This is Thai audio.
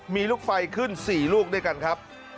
มีลูกไฟขึ้น๔ลูกด้วยกันครับ